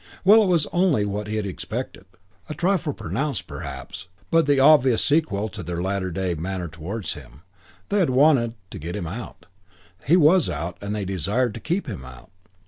Well, it was only what he had expected; a trifle pronounced, perhaps, but the obvious sequel to their latter day manner towards him: they had wanted to get him out; he was out and they desired to keep him out.